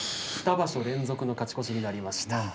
２場所連続の勝ち越しになりました。